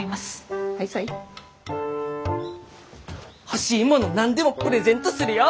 欲しいもの何でもプレゼントするよ！